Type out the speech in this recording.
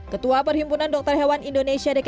ketua perhimpunan dokter hewan indonesia